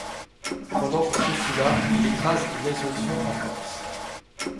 Pendant son consulat, il écrase une insurrection en Corse.